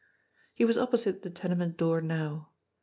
He was opposite the tenement door now.